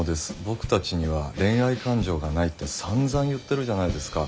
僕たちには恋愛感情がないってさんざん言ってるじゃないですか。